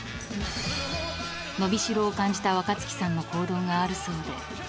［のびしろを感じた若槻さんの行動があるそうで］